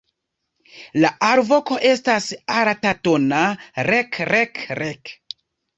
La alvoko estas altatona "rek-rek-rek".